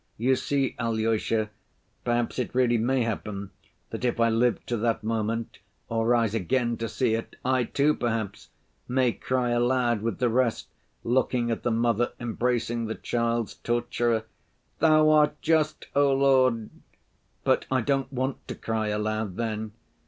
You see, Alyosha, perhaps it really may happen that if I live to that moment, or rise again to see it, I, too, perhaps, may cry aloud with the rest, looking at the mother embracing the child's torturer, 'Thou art just, O Lord!' but I don't want to cry aloud then.